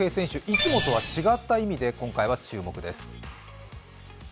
いつもとは違った意味で今回は注目です。